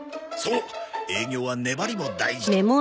そう営業は粘りも大事と。